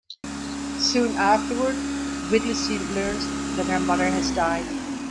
Soon afterward, Whittlesey learns that her mother has died.